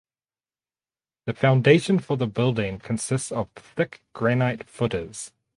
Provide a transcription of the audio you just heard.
The foundation for the building consists of thick granite footers.